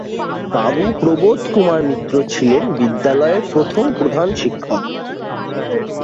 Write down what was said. বাবু প্রবোধ কুমার মিত্র ছিলেন বিদ্যালয়ের প্রথম প্রধান শিক্ষক।